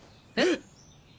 えっ？